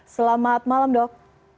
selamat malam dok